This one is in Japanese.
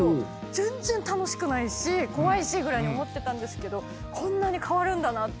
全然楽しくないし怖いしぐらいに思ってたんですけどこんなに変わるんだなって。